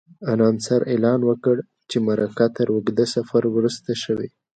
انانسر اعلان وکړ چې مرکه تر اوږده سفر وروسته شوې.